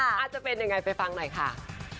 อาจจะเป็นยังไงไปฟังหน่อยค่ะ